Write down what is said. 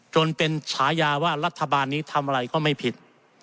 จนเป็นฉายาว่ารัฐบาลนี้ทำอะไรก็ไม่ผิด